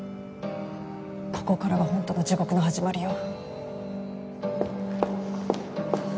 ここからがホントの地獄の始まりよ。